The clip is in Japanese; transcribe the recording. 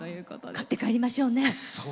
買って帰りましょうね。